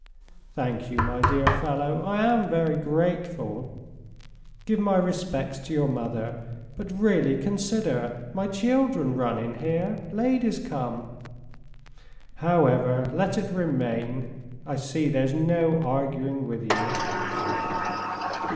..." "Thank you, my dear fellow, I am very grateful ... Give my respects to your mother but really consider, my children run in here, ladies come. ... However, let it remain! I see there's no arguing with you."